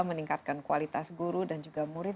meningkatkan kualitas guru dan juga murid